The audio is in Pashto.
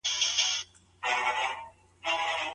ولي هوډمن سړی د هوښیار انسان په پرتله ژر بریالی کېږي؟